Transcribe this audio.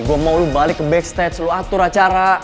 gua mau lu balik ke backstage lu atur acara